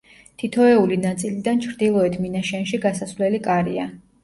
თითოეული ნაწილიდან ჩრდილოეთ მინაშენში გასასვლელი კარია.